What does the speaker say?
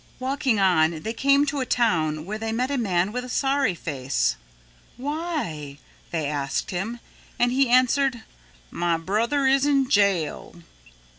Walking on they came to a town where they met a man with a sorry face. "Why?" they asked him. And he answered, "My brother is in jail."